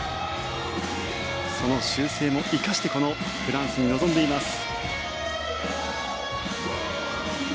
その修正も生かしてこのフランスに臨んでいます。